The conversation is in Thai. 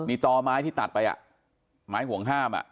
มีต่อไม้ที่ตัดไปไม้ห่วงห้าม